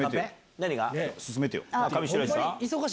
何が？